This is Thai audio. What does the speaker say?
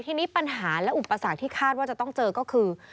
ทีนี้ปัญหาและอุปสรรคที่คาดว่าจะต้องเจอก็คือ